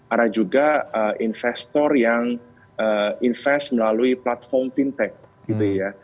ada juga investor yang invest melalui platform fintech gitu ya